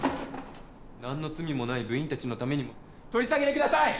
何の罪もない部員達のためにも取り下げてください！